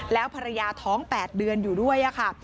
แล้วภรรยาท้อง๘เดือนอยู่ด้วยค่ะ